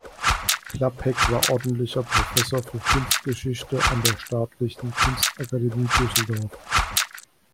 Klapheck war ordentlicher Professor für Kunstgeschichte an der Staatlichen Kunstakademie Düsseldorf.